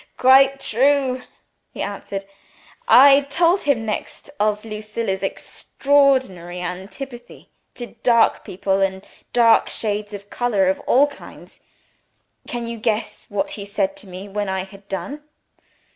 "Quite true!" he answered. "I told him next of Lucilla's extraordinary antipathy to dark people, and dark shades of color of all kinds. Can you guess what he said to me when I had done?"